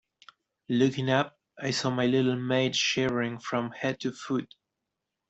Looking up, I saw my little maid shivering from head to foot.